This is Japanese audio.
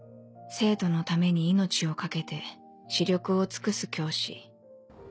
「生徒のために命を懸けて死力を尽くす教師」